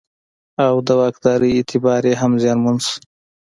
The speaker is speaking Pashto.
او د واکدارۍ اعتبار یې هم زیانمن شو.